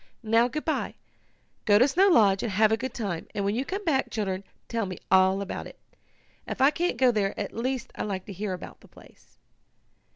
"Now, good bye. Go to Snow Lodge, and have a good time, and when you come back, children, tell me all about it. If I can't go there at least I like to hear about the place."